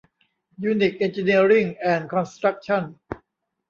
ยูนิค เอ็นจิเนียริ่ง แอนด์ คอนสตรัคชั่น